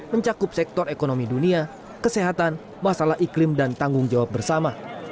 mencakup sektor ekonomi dunia kesehatan masalah iklim dan tanggung jawab bersama